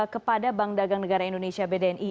kepada bank dagang negara indonesia bdni